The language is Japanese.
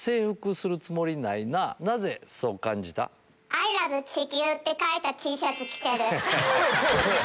アイラブ地球って書いたＴシャツ着てる。